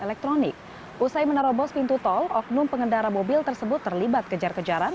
elektronik usai menerobos pintu tol oknum pengendara mobil tersebut terlibat kejar kejaran